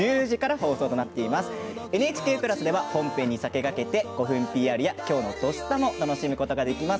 ＮＨＫプラスでは本編に先駆けて５分ＰＲや今日の「土スタ」も楽しむことができます。